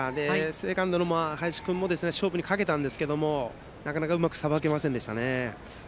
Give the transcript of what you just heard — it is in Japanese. セカンドの林君も勝負にかけたんですけどもなかなかうまくさばけませんでしたね。